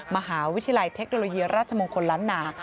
มหาวิทยาลัยเทคโนโลยีราชมงคลล้านนา